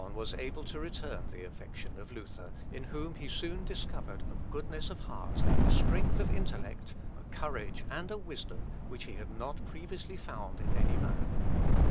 Melancthon was able to return the affection of Luther, in whom he soon discovered a goodness of heart, a strength of intellect, a courage and a wisdom, which he had not previously found in any man.